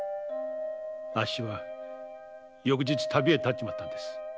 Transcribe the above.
あっしは翌日旅へ立っちまった。